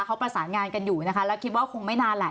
เขาประสานงานกันอยู่นะคะแล้วคิดว่าคงไม่นานแหละ